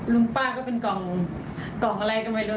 ลุงป้าก็เป็นกล่องอะไรกันไปเลย